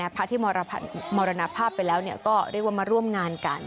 พระที่มรณภาพไปแล้วก็เรียกว่ามาร่วมงานกัน